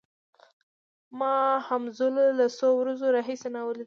ما هولمز له څو ورځو راهیسې نه و لیدلی